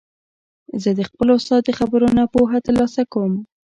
زه د خپل استاد د خبرو نه پوهه تر لاسه کوم.